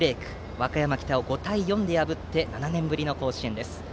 和歌山北を５対４で破って７年ぶりの甲子園です。